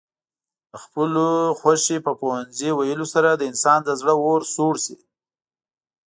د خپلې خوښې په پوهنځي ويلو سره د انسان د زړه اور سوړ شي.